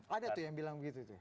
ada tuh yang bilang begitu tuh